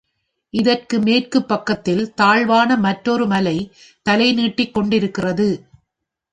இதற்கு மேற்குப் பக்கத்தில் தாழ்வான மற்றாெரு மலை தலை நீட்டிக்கொண்டிருக்கிறது.